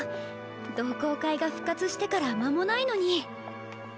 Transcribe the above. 同好会が復活してから間もないのに。